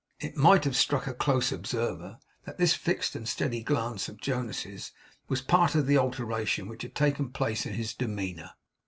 It might have struck a close observer that this fixed and steady glance of Jonas's was a part of the alteration which had taken place in his demeanour.